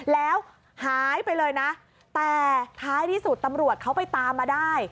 แล้วหายไปเลยนะแต่ท้ายที่สุดตำรวจเขาไปตามมาได้